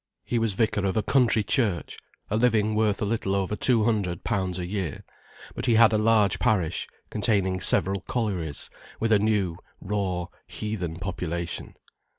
He was vicar of a country church, a living worth a little over two hundred pounds a year, but he had a large parish containing several collieries, with a new, raw, heathen population.